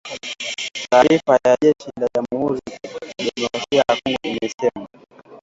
Taarifa ya jeshi la Jamuhuri ya Kidemokrasia ya Kongo imesema